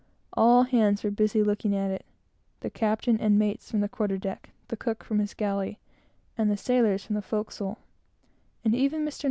All hands were busy looking at it the captain and mates from the quarter deck, the cook from his galley, and the sailors from the forecastle; and even Mr. N.